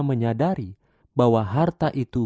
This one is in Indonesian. menyadari bahwa harta itu